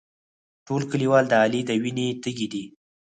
ټول کلیوال د علي د وینې تږي دي.